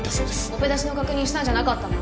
オペ出しの確認したんじゃなかったの？